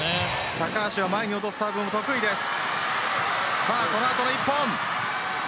高橋は前に落とすサーブも得意です。